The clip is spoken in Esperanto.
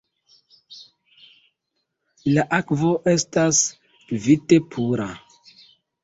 La akvo estas kvite pura.